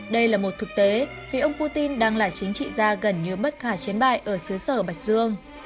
đây là một thực tế phía ông putin đang là chính trị gia gần như bất khả chiến bại ở xứ sở bạch dương